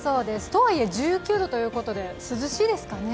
とはいえ１９度ということで涼しいですかね。